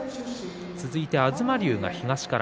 続いて東龍が東から。